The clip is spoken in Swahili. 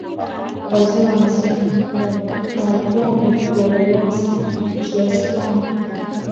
wazee wansema wabarbaig waliuawa sana kiasi kwamba